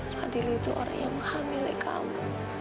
kak fadil itu orang yang menghamilai kamu